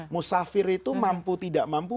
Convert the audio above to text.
musafir itu mampu tidak mampu